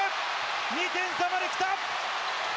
２点差まで来た！